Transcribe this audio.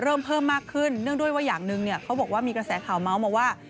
เริ่มเพิ่มมากขึ้นเนื่องด้วยว่าอย่างหนึ่งเนี่ยเขาบอกว่ามีกระแสข่าวเมาส์มาว่า